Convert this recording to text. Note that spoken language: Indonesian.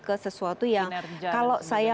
ke sesuatu yang kalau saya